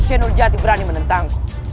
senurjati berani menentangku